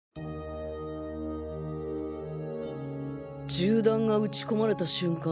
銃弾が撃ち込まれた瞬間